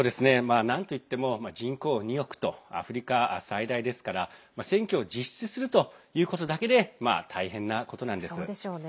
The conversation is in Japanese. なんといっても、人口２億とアフリカ最大ですから選挙を実施するということだけで大変なことなんです。